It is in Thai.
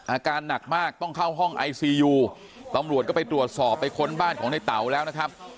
อาการหนักมากต้องเข้าห้องไอซียูตำรวจก็ไปตรวจสอบไปค้นบ้านของในเต๋าแล้วนะครับ